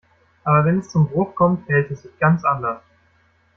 Aber wenn es zum Bruch kommt, verhält es sich ganz anders.